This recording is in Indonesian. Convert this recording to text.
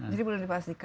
jadi belum dipastikan